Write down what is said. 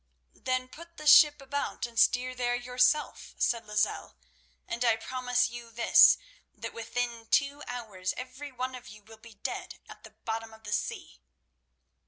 "Then put the ship about and steer there yourself," said Lozelle, "and I promise you this, that within two hours every one of you will be dead at the bottom of the sea."